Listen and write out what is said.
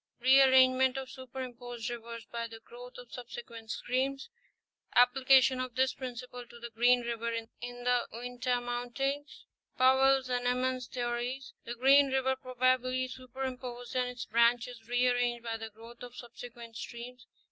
—Re arrangement of superimposed rivers by the growth of subsequent streams.—Application of this principle to the Green river in the Uinta mountains: Powell's and Emmons' theories. —The Green river probably superimposed and its branches re arranged by the growth of subsequent streams.